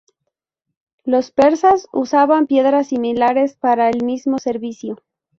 Los persas usaban piedras similares para el mismo servicio.